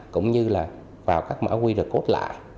cũng như là vào các mạng qr code lạ